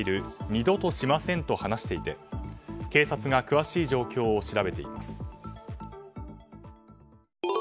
二度としませんと話していて警察が詳しい状況を調べています。